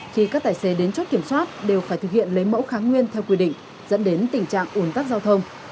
khi các tài xế đến chốt kiểm soát đều phải thực hiện lấy mẫu kháng nguyên theo quy định dẫn đến tình trạng ủn tắc giao thông